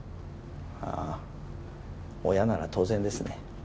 ああ親なら当然ですね